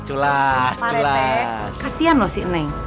kasian loh si neneng